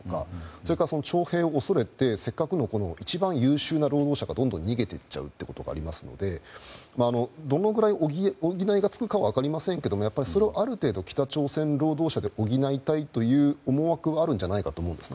それから徴兵を恐れてせっかくの一番優秀な労働者がどんどん逃げて行っちゃうことがありますのでどのくらい補いがつくか分かりませんけれどもある程度、北朝鮮労働者で補いたいという思惑があるんじゃないかと思うんです。